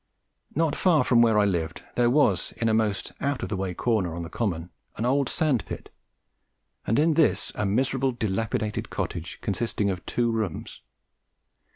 Not far from where I lived there was, in a most out of the way corner on a common, an old sand pit, and in this a miserable dilapidated cottage, consisting of two rooms.